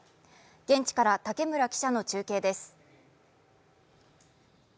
現地から竹村記者の中継です。